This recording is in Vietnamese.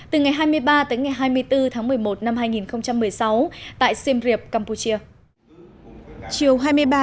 từ ngày hai mươi ba hai mươi bốn một mươi một hai nghìn một mươi sáu tại siem reap campuchia